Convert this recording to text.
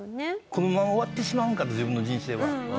このまま終わってしまうんかと自分の人生は。